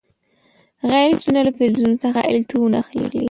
غیر فلزونه له فلزونو څخه الکترون اخلي.